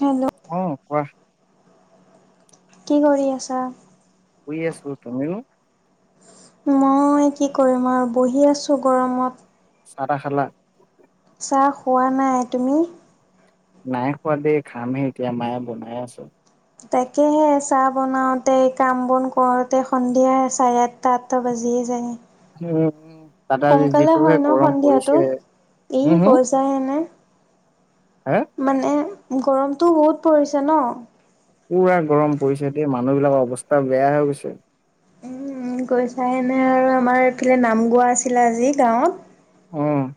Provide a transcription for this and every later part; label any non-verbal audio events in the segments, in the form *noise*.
Hello? অ'! কোৱা? কি কৰি আছা? শুই আছোঁ, তুমি? মই কি কৰিম আৰু বহি আছোঁ গৰমত। চাহ-তাহ খালা? চাহ খোৱা নাই, তুমি? নাই খোৱা দেই, খামহে এতিয়া। মায়ে বনাই আছে। তাকেহে, চাহ বনাওঁতে, কাম-বন কৰোঁতে, সন্ধিয়া চাৰে আঠটা বাজিয়েই যায়। উম। তাতে আজি সোনকালে যিটোহে হয় ন' গৰম সন্ধিয়াটো? পৰিছে ই, হম হম পইচাহে নাই। হে! মানে, গৰমটো বহুত পৰিছে ন'? পূৰা গৰম পৰিছে দেই, মানুহ বিলাকৰ অৱস্থা বেয়া হৈ গৈছে। উম, গৈছোঁ এনে আৰু। আমাৰ এইফালে নাম গোৱা আছিলে, আজি গাঁৱত। অ'!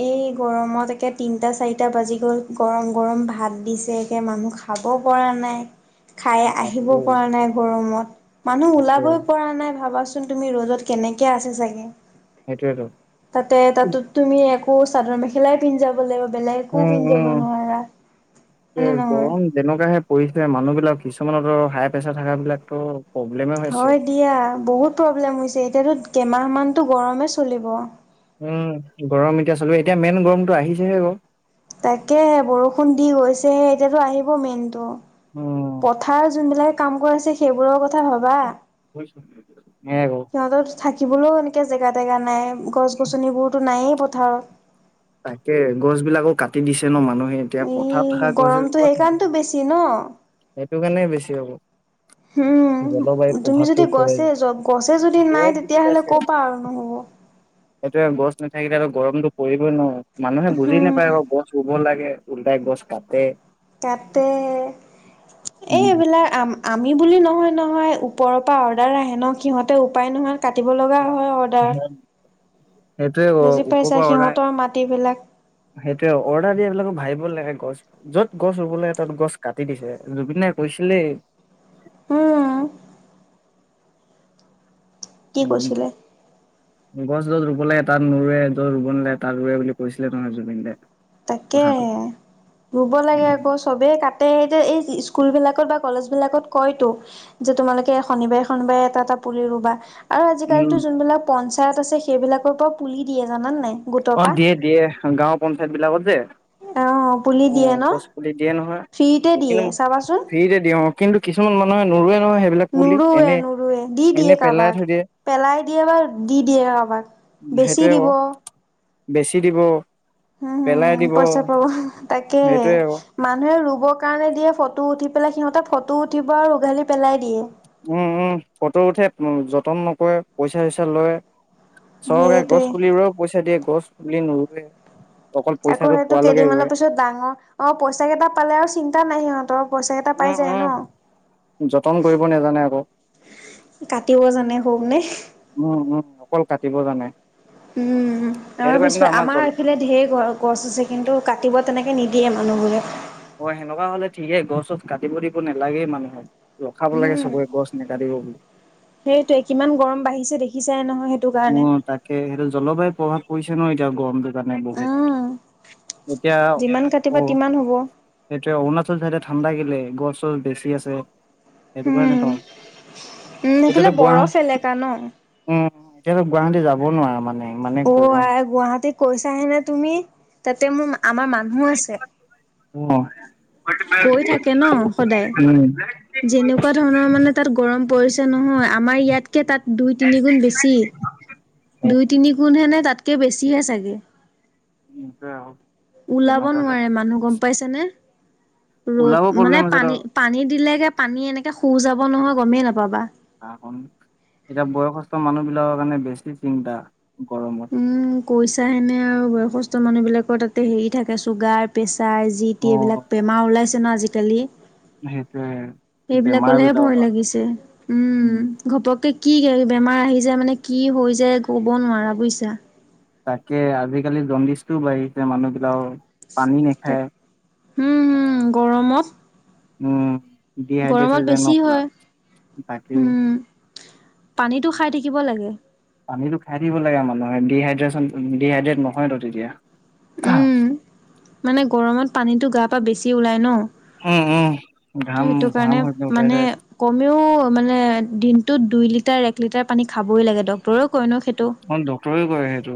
এই গৰমত, একে তিনটা-চাৰিটা বাজি গ'ল, গৰম-গৰম ভাত দিছে। একে, মানুহ খাব পৰা নাই। খাই এ আহিব তাকে পৰা নাই গৰমত। মানুহ তাকে ওলাবই পৰা নাই, ভাবাচো চোন তুমি? ৰ'দত কেনেকে আছে চাগে! সেইটোৱেটো। তাতে, তাতো তুমি একো, চাদৰ-মেখেলাই পিন্ধি যাব লাগিব, বেলেগ। একো উম পিন্ধি যাব উম নোৱাৰা। হয় এ নে নহয়? গৰম যেনেকুৱাহে পৰিছে, মানুহ বিলাক কিছুমানক ধৰক, হাই-প্ৰেছাৰ থকা বিলাকতো প্ৰব্লেমে হৈছে হয় এতিয়া দিয়া, বহুত প্ৰব্লেম হৈছে! এতিয়াতো, কেইমাহমানটো গৰমে চলিব। উম, গৰম এতিয়া চলিব। এতিয়া, মেইন গৰমটো আহিছেহেকৌ। তাকেহে, বৰষুণ দি গৈছেহে। এতিয়াতো আহিব মেইনটো। উম পথাৰত যোনবিলাকে কাম কৰি আছে, সেইবোৰৰ কথা ভাবা? বুজিছো সেয়াই ক সিহঁতৰ থাকিবলৈও এনেকে জেগা-তেগা নাই। গছ- গছনিবোৰতো নাইয়েই পথাৰত। তাকে, গছ বিলাকো কাটি দিছে ন' মানুহে। এতিয়া, পথাৰত থকা এই গছ গৰমটো এজোপা সেইকাৰণতো বেছি ন'? এইটো কাৰণেই বেছি হ'ব। হোঁ! জলবায়ুৰ তুমি প্ৰভাৱটো যদি পৰে গছে, গছে যদি নাই, বহুত বুজি তেতিয়াহ'লে ক'ৰপা আৰম্ভ হ'ব? সেইটোৱে, গছ নাথাকিলেতো, গৰমটো পৰিবই ন'। মানুহে বুজি হুম নাপায় আকৌ, গছ ৰোব লাগে, ওল্টাই গছ কাটে। কাটে। এই, উম, এইবিলাক আম আমি বুলি নহয়- নহয়, ওপৰৰ পৰা অৰ্ডাৰ আহে ন', সিহঁতে উপায় নোহোৱা কাটিব লগা হয় আৰু তাত। সেইটোৱেকৌ ওপৰ পৰা অৰ্ডাৰ সিহঁতৰ মাটিবিলাক সেইটোৱে, অৰ্ডাৰ দিয়া বিলাকো ভাবিব লাগে! গছ য'ত গছ ৰুব লাগে তত গছ কাটি দিছে জুবিনাই কৈছিলেই। উমঁ- কি উমঁ উমঁ। কৈছিলে গছ য'ত ৰুব লাগে তাত নৰুৱে য'ত ৰুব নালাগে তাত ৰুৱে বুলি কৈছিলে নহয় জুবিন দাই। তাকে কথাটো ৰুব লাগে আকৌচ- চবেই কাটে সেই এই স্কুলবিলাকত বা কলেজবিলাকত কয়তো- যে তোমালোকে শনিবাৰে শনিবাৰে এটা এটা পুলি ৰুবা। আৰু উম আজিকালিতো যোনবিলাক পঞ্চায়ত আছে সেইবিলাকৰ পৰা পুলি দিয়ে জানানে নাই। গোটৰ অঁ পৰা দিয়ে দিয়ে গাঁওৰ পঞ্চায়ত বিলাকত যে- অ পুলি দিয়ে অঁ', ন গছপুলি দিয়ে নহয় ফ্ৰীতে এই দিয়ে কিন্তু চাবাচোন ফ্ৰীতে দিয়ে অঁ। কিন্তু কিছুমান মানুহে নোৰোৱে নহয় সেইবিলাক পুলি নুৰুৱে এনে নুৰুৱে দি দিয়ে এনে পেলাই কাৰোবাক থৈ দিয়ে। পেলাই দিয়ে বা দি দিয়ে কাৰোবাক বেছি দিব। বেছি দিব। হুম পেলাই হুম দিব পচাই পাৱ তাকে। সেইটোৱে ক মানুহে ৰুবৰ কাৰণে দিয়ে ফটো উঠি পেলাই সিহঁতে ফটো উঠিব আৰু উঘালি পেলাই দিয়ে। উমঁ উমঁ ফটো উঠে উমঁ যতন নকৰে পইচা চইচা লয়। চৰকাৰে গছ সেইটোৱে পুলিবোৰেও পইচা দিয়ে গছ পুলি নৰুৱে। আকৌ সেইটো কেইদিনৰ পিছত ডাঙৰ অঁ পইচা কেইটা পালে আৰু চিন্তা নাই সিহঁতৰ। পইচা কেইটা পাই উমঁ যায় ন উমঁ যতন কৰিব নেজানে আকৌ। কাটিব জানে হ'বনে। উমঁ উমঁ অকল কাটিব জানে। উমঁ সেইটো আমাৰ কাৰণে পিছ জল এইফালে ঢেৰ গছ- গছ আছে কিন্তু কাটিব তেনেকে নিদিয়ে মানুহবোৰে। অঁ সেনেকুৱা হলে ঠিকেইে গছ- চজ কাটিব দিব নালাগে মানুহক ৰখাব লাগে উম চবৰে গছ। নেকাটিৱ বুলি। সেইটোৱে কিমান গৰম বাঢ়িছে দেখিছাই নহয় সেইট- অঁ তাকে সেইটো জলবায়ু প্ৰভাৱ পৰিছে ন এতিয়া গৰমটোত। জানে বহু এতিয়া যিমান কাটিবা অঁ- তিমান হ'ব এতিয়া অৰুণাচল চাইডে ঠাণ্ডা কেলে গছ চছ বেছি আছে। সেইটো কাৰণে তো উম উম, সেইফালে এতিয়াতো বৰফ গুৱাহ- এলেকা ন? উমঁ এতিয়াতো গুৱাহাটী যাব নোৱাৰা মানে। ইমানে অঁ গৰম আই গুৱাহাটী কৈছাহেনে তুমি তাতে মোৰ আমাৰ মানুহো আছে। অঁ উমঁ! কৈ থাকে ন সদায়। যেনেকুৱা ধৰণৰ মানে তাত গৰম পৰিছে নহয় আমাৰ ইয়াতকে তাত দুই তিনি গুণ বেছি। দুই তিনিগোণহে নে তাতকৈ বেছিহে চাগে। উমঁ তে আহক। ওলাব নোৱাৰে মানুহ গম পাইছে নে ওলাব ৰ'দ প্ৰব্লেম মানে হৈছে ত পানী- পানী দিলেগে পানী এনেকৈ শুৱ যাব নহয় গমেই নাপাবা। আহোম এতিয়া বয়সস্থ মানুহ বিলাকৰ কাৰণে বেছি চিন্তা গৰমত। উমঁ কৈইচা হেনে আৰু বয়সস্থ মানুহ বিলাকৰ তাতে হেৰি থাকে চুগাৰ- প্ৰেছাৰ যি টি অ এইবিলাক বেমাৰ ওলাইছে ন আজিকালি। সেইটোৱে- সেইবিলাকলেহে ভয় লাগিছে উম উমঁ। ঘপককে কি গা বেমাৰ আহি যায় মানে কি হৈ যায় ক'ব নোৱাৰা বুজিছা। তাকে আজিকালি জণ্ডিচটোও বাঢ়িছে মানুহবিলাকও পানী তাক নেখায়- উম, উম গৰমত। উম, ডিহাইড্ৰেট গৰমত হৈ যায় বেছি ন পুৰা বাকী পানীতো খাই থাকিব লাগে। পানীটো খাই থাকিব লাগে মানুহে ডিহাইড্ৰেচন ডিহাইড্ৰেট নহয় ন তেতিয়া। উম, মানে গৰমত পানীটো গা পা বেছি ওলায় ন? উম, উম, ত' ঘাম সেইটো ঘাম কাৰণে মানে *unintelligible* কমেও মানে দিনটোত দুই লিটাৰ এক লিটাৰ পানী খাবই লাগে ডক্টৰেও কয়নো সেইটো। ড্টৰে কৰে সেইটো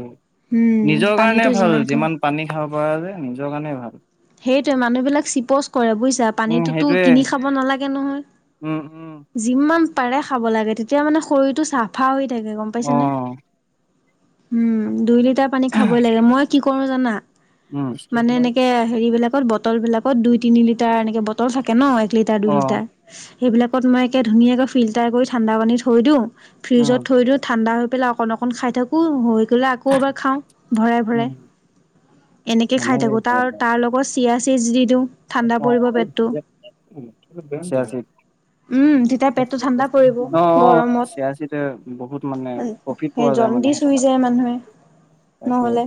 উম, নিজৰ পানীটো কাৰণে ভাল। খাওঁ যিমান- - পানী খাব পৰা যে নিজৰ কাৰণে ভাল। সেইটোৱে মানুহবিলাক চিপচ কৰে বুজিছা উম পানীটোতো সেইটোয়ে কিনি খাব নালাগে নহয়। উম উম যিমান পাৰে খাব লাগে তেতিয়া মানে শৰীৰটো চাফ। ফা হৈ থাকে গম পাইছে অ উম অ নে? উম, দুই লিটাৰ পানী খাব লাগে মই কৰো জানা মানে এনেকে এইবিলাকত বটল বিলাকত দুই তিনি লিটাৰ এনেকে বটল থাকে ন এক লিটাৰ দুই লিটাৰ। সেইবিলাকত মই একে ধুনীয়াকে ফিল্টাৰ কৰি ঠাণ্ডা পানী থৈ দিওঁ। ফ্ৰিজত উম থৈ দিওঁ ঠাণ্ডা হৈ পেলাই অকণ অকণ খাই থাকোঁ হৈ গ' *unintelligible* খাওঁ ভৰাই উম ভৰাই এনেকৈ খাই থাকোঁ সেনেকে *unintelligible* চিয়া সীদ দি দিওঁ। পৰিব পেটটো *unintelligible* চিয়া সীড। উম তেতিয়া পেটটো ঠাণ্ডা পৰিব অ' অ' গৰমত চিয়া সীদ বহুত মানে প্ৰফিট সেই পোৱা যায় মানে জণ্ডিচ হৈ যায় মানুহে *unintelligible* নহলে,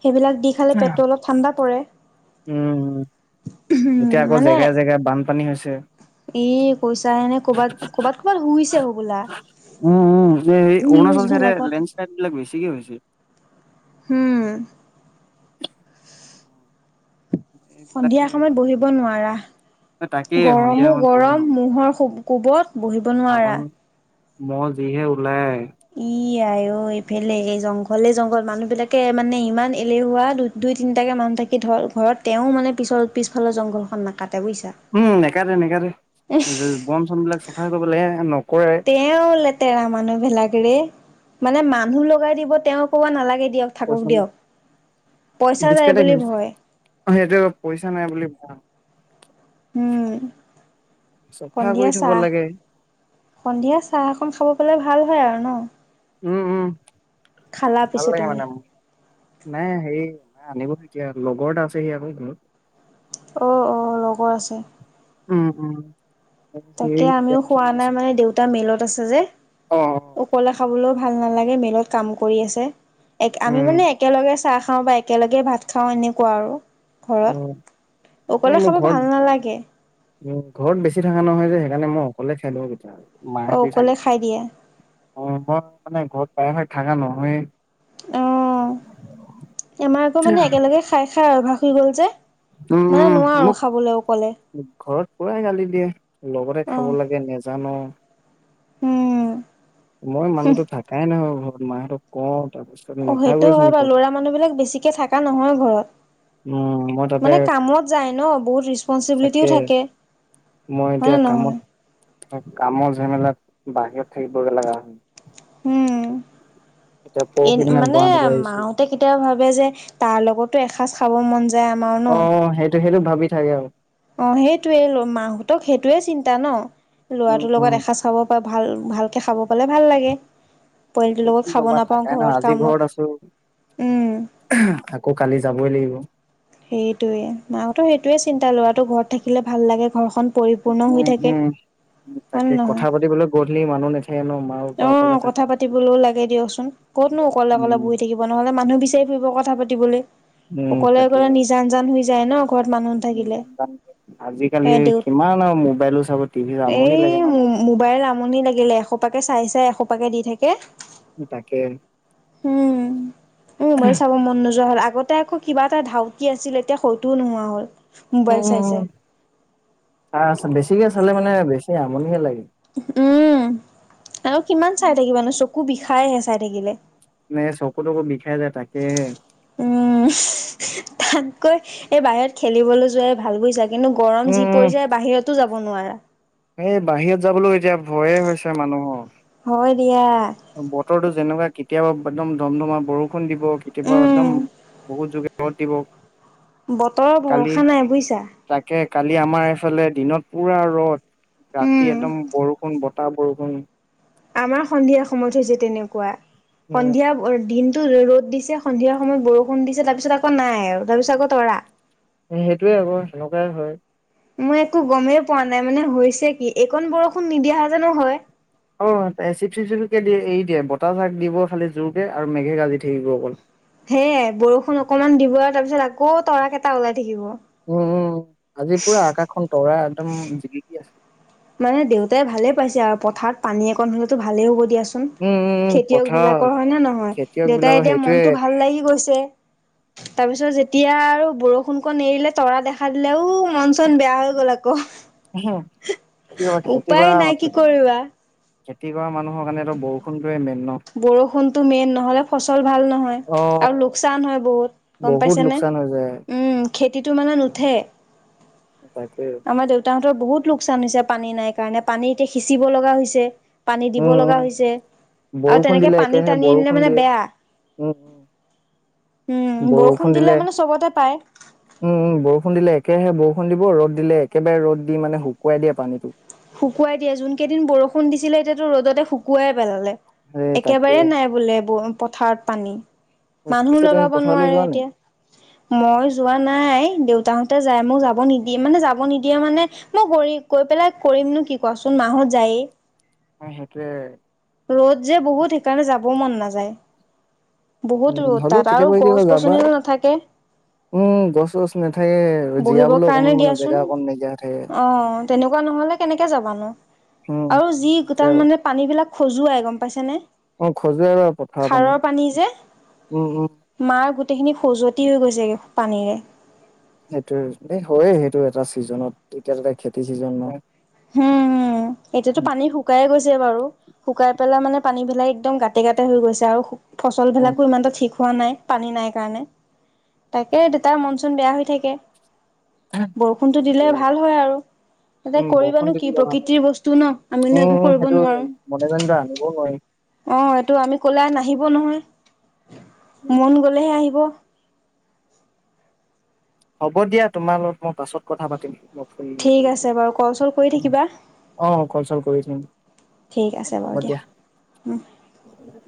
সেইবিলাক দি খালে পেট অলপ ঠাণ্ডা পৰে। উম, উম, এতিয়া আকৌ জেগায় জেগায় বানপানী হৈছে। এই কৈছা এনে কৰ'বাত কৰ'বাত ক'বাত শুইছে হ বোলা। উম, উম, যে অৰুণাচল চাইডে লেণ্ডশ্লাইড বিলাক বেছিকে হৈছে। উম, সন্ধিয়া এইবিলাকে সময়ত বহিব নোৱাৰা। তাকে সন্ধিয়া গৰমো সময়ত বহিব গৰম নোৱাৰো মুহৰ কোবত বহিব আগত নোৱাৰা। মহ যিহে উলায়। ই আ অ এইফালে এই জংঘলে জংঘল মানুহ বিলাকে মানে ইমান এলেহুৱা দু দুই তিনিটাকৈ মানুহ থাকি ধৰ ঘৰত তেওঁ মানে পিছৰ পিছফালে জংঘলখন নাকাটে বুজিছা। উম, নেকাটে নেকাটে বন চন বিলাক চফাই কৰিব লাগে নকৰে। তেওঁ লেতেৰা মানুহবিলাক ৰে মানে মানুহ লগাই দিব তেওঁ ক'ব নালাগে দিয়ক। পইচা থাকঁক দিয়ক। পইচা *unintelligible* যায় বুলি ভয়। সেইটো অলপ পইচা নাই বুলি পোৱা উ'ম চাফা কৰি সন্ধিয়া থব চাহ। লাগে সন্ধিয়া চাহ এখন খাব পালে ভাল হয় আৰু ন। উম, উম, খালা ভাল পিছে লাগে তুমি? মানে। নাই হ *unintelligible* অ' অ' লগৰ আছে। উম, উম। সি তাকে আমিও গেম খোৱা খেলি নাই আছে। মানে দেউতা মিলত আছে যে। অ অ অকলেও খাবলৈও ভাল নালাগে মিলত কাম কৰি আছে এক আমি উম মানে একেলগে চাহ খাওঁ বা একেলগে ভাত খাওঁ এনেকুৱা আৰু। ঘৰত উম অকলে খাব ভাল নালাগে। উ, ঘৰত বেছি থকা নহয় যে, সেইকাৰণে মই অকলে খাই দিওঁ কেতিয়াবা, অ', মাহতি অকলে থাকে। খাই দিয়ে অ', মই মানে ঘৰত প্ৰায় ভাগ থাকা নহয়েই। অ', আমাৰ আকৌ মানে একেলগে খাই খাই অভ্যাস হৈ গ'ল যে। মানে উম নোৱাৰো মোক খাবলেও। ঘৰত পুৰাই গালি দিয়ে লগতে অ খাব লাগে নেজান উম। মই মানুহতো থাকাই নহয় ঘৰত মাহঁতক কওঁ তাৰ পিছত অ' সেইটো হয় বা। ল'ৰা মানুহবিলাক বেছিকে থাকা নহয় ঘৰত। উম মই তাতে মানে কামত যায় ন বহুত ৰিচপঞ্চিবিলিটিও তাকে থাকে। মই হয় এতিয়া নে কামত নহয় কামত যেমেলাত বাহিৰত থাকিবগে লগা হয়। উম এতিয়া এ পৰহি দিনা মানে গুৱাহাটীৰ পৰা আহিছো। মাও ত কেতিয়াবা ভাবে যে তাৰ লগতো এসাঁজ খাব মন যায় আমাৰ ন অ সেইটো সেইটো ভাবি থাকে আৰু অ সেইটোৱে ল মাহঁতক সেইটোয়ে চিন্তা ন উম, ল'ৰাটোৰ উম। লগত এসাজ খাব ভাল ভালকে খাব পালে ভাল লাগে। পোৱালিটোৰ লগত কি খাব ক'বা নাপাওঁ থাকাই ন ঘৰত আজি আছো কামত উম। *unintelligible* আকৌ কালি যাবই লাগিব। সেইটোৱে মাকতো সেইটোৱে চিন্তা লৰাটো ঘৰত থাকিলে ভাল লাগে ঘৰখন পৰিপূৰ্ণ হৈ উম, থাকে। উম, হয় নে তাকে নহয়? কথা পাতিবলৈ গধলি, মানুহ নাথাকে ন? পাপা অকলে অ' কথা থাকা পাতিবলৈও লাগে দিয়কচোন, ক'তনো অকলে অকলে উম, বহি থাকিব। ব নহ'লে মানুহ বিচাৰি ফুৰিব কথা পাতিবলে। উম, অকলে তাকে অকলে নিজান জান হৈ যায় ন ঘৰত মানুহ নাথাকিলে। আজিকালি এ দেউ কিমান আৰু মোবাইলো চাব টিভি আমনি এই লাগে ন, মোবাইল আমনি লাগিলে এশোপাকে চাই চাই এশোপাকে দি থাকে। উম, তাকে। উম উম মই চাব মন নোযোৱা হ'ল আগতে আকৌ কিবা এটা ধাউতি আছিল এতিয়া হয়তোও নোহোৱা হ'ল। উম, মোবাইল চাই চাই উম, ছাৰ আছে, বেছিকে চালে মানে বেছি আমনিহে লাগে। উম উম আৰু কিমান চাই থাকিবানো চকু বিষাইহে চাই থাকিলে। এনে চকু তকো বিষাই যায় তাকেহে উম তাতকৈ এই বাহিৰত খেলিবলে যোৱাই ভাল বুইছা কিন্তু গৰম যি উম, পৰি যায় বাহিৰতো যাব নোৱাৰা। এ বাহিৰত যাবলৈও এতিয়া ভয়ে হৈছে মানুহৰ, হয় দিয়া বতৰো যেনেকুৱা কেতিয়াবা একদম ধম ধমা বৰষুণ দিব কেতিয়াবা উম একদম বহুত যুৰ ৰ'দ দিব। বতৰৰ কালি ভৰষা নাই বুইছা। তাকে কালি আমাৰ এইফালে দিনত পুৰা ৰ'দ, উম ৰাতি একদম বৰষুণ বত বৰষুণ আমাৰ সন্ধিয়া সময়ত হৈছে তেনেকুৱা। সন্ধিয়া উম দিনটো ৰ'দ দিছে, সন্ধিয়াৰ সময়ত বৰষুণ দিছে, তাৰ পিছত আকৌ নাই আৰু তাৰ পিছত আকৌ তৰা। সেইটোৱে আকৌ সেনেকুৱাই হয়। মই একো গমেই পোৱা নাই মানে হৈছে কি এইকণ বৰষুণ নিদিয়া হেতেনো হয় অ' চিপ চিপ চিপকে দিয়ে এৰি দিয়ে বতাহ জাক দিব খালী জোৰকে আৰু মেঘে গাজি থাকিব অকল সেয়ে বৰষূণ অকনমান দিব আৰু তাৰপিছত আকৌ তৰা কেইটা ওলাই থাকিব। উম, উম, আজি পুৰা আকাশখন তৰা একদম, জিলিকি আ মানে দেউতাই ভালে পাইছে আৰু পথাৰত পানী অকণ হলেতো ভালে হ'ব দিয়া চোন উম উম উম *unintelligible* খেতিয়কবিলাকৰ, পথাৰত হয় নে নহয়? খেতিয়ক দেউতাই বিলাকৰ এতিয়া মনটো ভাল সেইটোয়ে লাগি গৈছে। *inaudible* তাৰপিছত যেতিয়া আৰু বৰষুণকণ এৰিলে, তৰা দেখা দিলে ও মন চন বেয়া হৈ গ'ল আকৌ। হ কি কৰা খেতি উপায় নাই কি *unintelligible* কৰিবা খেতি কৰা মানুহৰ কাৰণে এটো বৰষুণটোৱে মেইন ন। বৰষুণতটো মেইন নহ'লে ফচল ভাল নহয়। অ আৰু লোকচান হয় বহুত, গম বহুত পাইছেনে। *inaudible* খেতিটো মানে নুঠে। বাইপে। আমাৰ দেউতাহঁতৰ বহুত লোকচান হৈছে পানী নাই কাৰণে, পানী এতিয়া সিঁচিব লগা হৈছে। পানী দিব উম লগা উম হৈছে। আৰু বৰষুণ তেনেকে দিলে পানী একেহে টানি আনিলে বৰষুণ মানে দিয়ে বেয়া। উম উম। উম, বৰষুণ দিলে মানে চবতে পায়। উম, উম, বৰষুণ দিলে একেহে বৰষুণ দিব, ৰ'দ দিলে একেবাৰে ৰ'দ দি মানে শুকুৱাই দিয়ে পানীটো। শুকুৱাই দিয়ে, যোন কেইদিন বৰষুণ দিছিলে এতিয়াতো ৰ'দতে শুকুৱাই পেলালে। সেই তাকে একেবাৰে নাই বোলে ব- পথাৰত পানী, মানুহ পিছে তুমি লগাব পথাৰলৈ নোৱাৰে যোৱা নাই? এতিয়া। মই যোৱা নাই দেউতাহঁতে যায় মোক যাব নিদিয়ে, মানে যাব নিদিয়ে মানে মই গই, কৈ পেলাই কৰিমনো কি কোৱাচোন মাহত যায়েই। অ', সেইটোৱে। ৰ'দ যে বহুত সেইকাৰণে যাবও মন নাযায়। বহুত উম, ৰ'দ ভালো তাত আৰু কেতিয়াবা গছ কেতিয়াবা যাবা গছনিও নাথাকে উম, গছ-চছ নাথাকে। বহিবৰ জীয়াবলৈ অকমান কাৰণে মানে দিয়াচোন, জেগা অকন নাইকিয়া হৈ থাকে। অ', তেনেকুৱা নহ'লে কেনেকে যাবানো। উম আৰু উম যি সেইটোৱে *unintelligible* আৰু মানে পানী বিলাক খজুৱাই গম পাইছে নে। অ', খজুৱে আৰু পথাৰ পানী, উম, উম। মাৰ গোটেইখিনি খজুৱতি হৈ গৈছেগে পানীৰে। সেইৱেই, এ, হয়য়ে সেইটো এটা ছিজনত, এতিয়া তাতে খেতি চিজন নহয়। হম, উম, এতিয়াতো পানী শুকায়ে গৈছে বাৰু। শুকাই পেলাই মানে পানীবিলাই একদম গাতে গাটতে হৈ গৈছে আৰু উম ফচলবিলাকো ইমানতে ঠিক হোৱা নাই। পানী নাই কাৰণে, তাকে দেউতাৰ মন-চুন বেয়া হৈ থাকে। বৰষুণতটো দিলে ভাল হয় আৰু। তাতে উম, কৰিবানো বৰষুণ দি কি দিলে ভাল হয়, প্ৰকৃতিৰ বস্তু ন আমিনো একো উম, কৰিব সেইটো নোৱাৰো। মনে জানি এতিয়া আনিবও নোৱাৰি। অ', এইটো আমি ক'লে নাহিব নহয়, মন গ'লে হে আহিব। হ'ব দিয়া তোমাৰ লগত মই পাছত কথা পাতিম। ঠিক আছে বাৰু কল চল কৰি *unintelligible* থাকিবা অ', কল-চল কৰি থাকিম। ঠিক আছে বাৰু দিয়া, উম। উ।